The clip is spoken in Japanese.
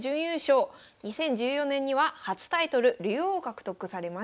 ２０１４年には初タイトル竜王獲得されました。